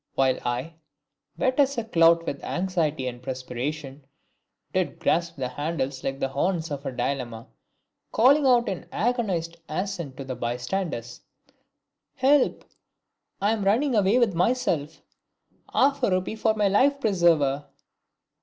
While I, wet as a clout with anxiety and perspiration, did grasp the handles like the horns of a dilemma, calling out in agonised accents to the bystanders, "Help! I am running away with myself! Half a rupee for my life preserver!"